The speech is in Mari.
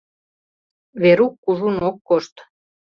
Верук кужун ок кошт.